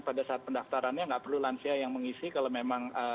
pada saat pendaftarannya nggak perlu lansia yang mengisi kalau memang